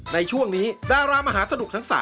ในช่วงนี้ดารามหาสนุกทั้ง๓